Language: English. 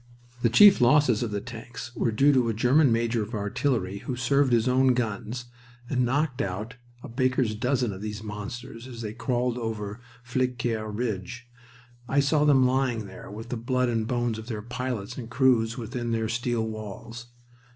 The chief losses of the tanks were due to a German major of artillery who served his own guns and knocked out a baker's dozen of these monsters as they crawled over the Flesquieres Ridge. I saw them lying there with the blood and bones of their pilots and crews within their steel walls.